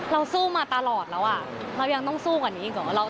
เราสู้มาตลอดแล้วอ่ะเรายังต้องสู้กับนี้อีกกว่า